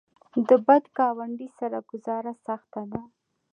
د بد ګاونډي سره ګذاره سخته ده.